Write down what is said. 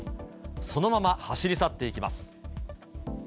そのまま走り去っていきます。